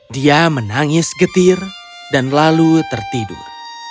dia menangis getir dan lalu tertidur